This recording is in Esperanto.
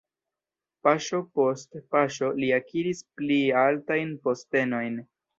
Paŝo post paŝo li akiris pli altajn postenojn.